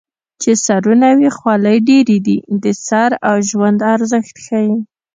چې سرونه وي خولۍ ډېرې دي د سر او ژوند ارزښت ښيي